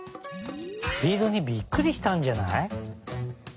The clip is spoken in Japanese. スピードにびっくりしたんじゃない？